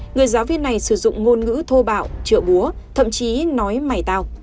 người giáo viên này sử dụng ngôn ngữ thô bạo trợ búa thậm chí nói mẩy tao